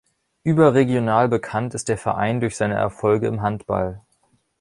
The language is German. Überregional bekannt ist der Verein durch seine Erfolge im Handball.